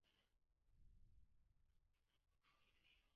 鹤见小野站鹤见线的铁路车站。